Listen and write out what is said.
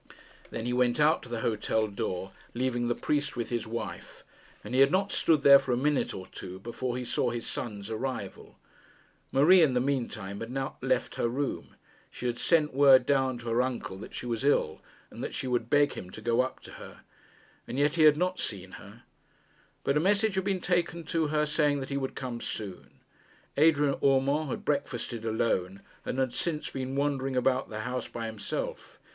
Then he went out to the hotel door, leaving the priest with his wife, and he had not stood there for a minute or two before he saw his son's arrival. Marie, in the mean time, had not left her room. She had sent word down to her uncle that she was ill, and that she would beg him to go up to her. As yet he had not seen her; but a message had been taken to her, saying that he would come soon. Adrian Urmand had breakfasted alone, and had since been wandering about the house by himself.